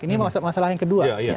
ini masalah yang kedua